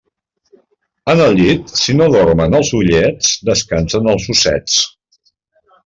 En el llit, si no dormen els ullets, descansen els ossets.